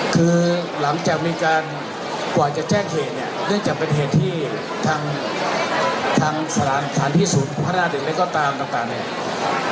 คือหลังจากมีการกว่าจะแจ้งเหตุเนี่ยเนื่องจากเป็นเหตุที่ทางสถานที่ศูนย์พัฒนาหรืออะไรก็ตามต่างเนี่ย